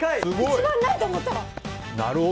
一番ないと思ったの。